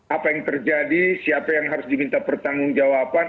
apa yang terjadi siapa yang harus diminta pertanggung jawaban